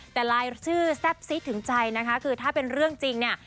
แต่ลายชื่อแซ่บซิดถึงใจนะคะคือถ้าเป็นเรื่องจริงเนี่ย